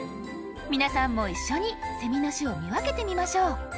皆さんも一緒にセミの種を見分けてみましょう。